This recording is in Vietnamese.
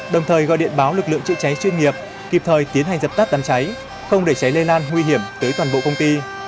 đồng thời gọi điện báo lực lượng chữa cháy chuyên nghiệp kịp thời tiến hành dập tắt đám cháy không để cháy lây lan nguy hiểm tới toàn bộ công ty